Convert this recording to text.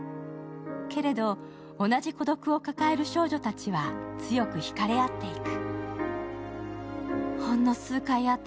けれど、同じ孤独を抱える少女たちは強く引かれ合っていく。